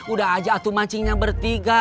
udah aja tuh mancingnya bertiga